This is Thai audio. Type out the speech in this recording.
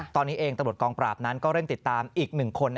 ตอนนี้เองตะโดดกองปราบนั้นก็เร่งติดตามอีกหนึ่งคน